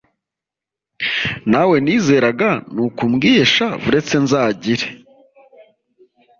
nawe nizeraga nukumbwiye Sha buretse nzagire